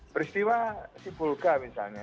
peristiwa si volga misalnya